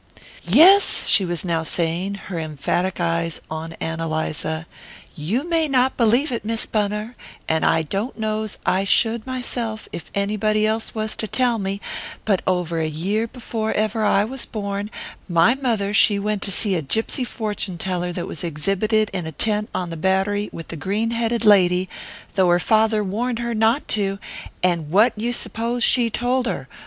"Yes," she was now saying, her emphatic eyes on Ann Eliza, "you may not believe it, Miss Bunner, and I don't know's I should myself if anybody else was to tell me, but over a year before ever I was born, my mother she went to see a gypsy fortune teller that was exhibited in a tent on the Battery with the green headed lady, though her father warned her not to and what you s'pose she told her?